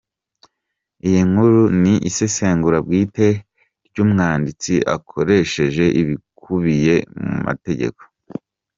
Iyi nkuru ni isesengura bwite ry’umwanditsi akoresheje ibikubiye mu mategeko.